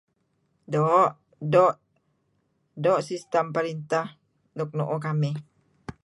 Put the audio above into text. Doo' doo' sistem perinteh nuk nuuh kamih.